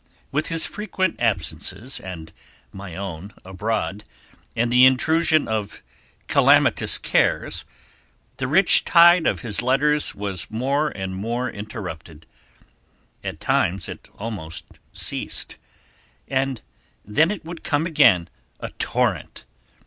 With his frequent absences and my own abroad, and the intrusion of calamitous cares, the rich tide of his letters was more and more interrupted. At times it almost ceased, and then it would come again, a torrent.